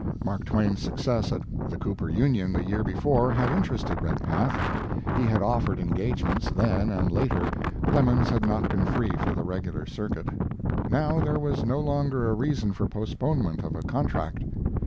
Mark Twain's success at the Cooper Union the year before had interested Redpath. He had offered engagements then and later, but Clemens had not been free for the regular circuit. Now there was no longer a reason for postponement of a contract.